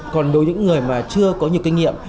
còn đối với những người mà chưa có nhiều kinh nghiệm